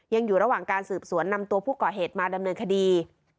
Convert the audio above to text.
ยังอยู่ระหว่างการสืบสวนนำตัวผู้ก่อเหตุมาดำเนินคดี